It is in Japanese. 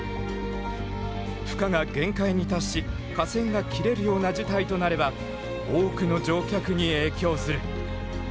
負荷が限界に達し架線が切れるような事態となれば多くの乗客に影響する。